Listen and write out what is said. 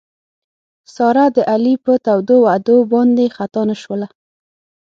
ساره د علي په تودو وعدو باندې خطا نه شوله.